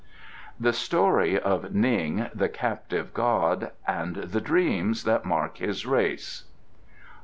The Story of Ning, the Captive God, and the Dreams that mark his Race i.